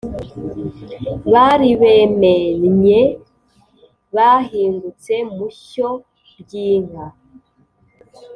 baribemennye bahingutse mushyo ryinka